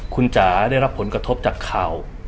คุณจ๋าได้รับผลกระทบจากข่าว